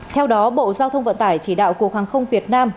theo đó bộ giao thông vận tải chỉ đạo cục hàng không việt nam